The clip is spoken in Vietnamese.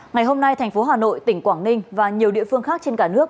ngày hôm nay thành phố hà nội tỉnh quảng ninh và nhiều địa phương khác trên cả nước